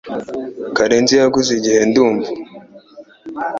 Karenzi yaguze igihe, ndumva